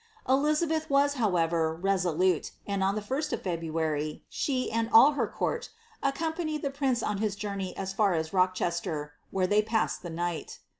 Elizabeth was, however, reso lute, and on the Isl of February, she and all her court, accompaniei the prince on his journey as fur as Itochester, where ihcy passed thi night.